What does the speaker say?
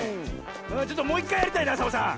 ちょっともういっかいやりたいなサボさん。